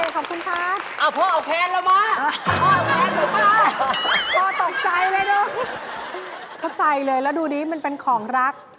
เข้าใจเลยแล้วดูนี่มันเป็นของรัก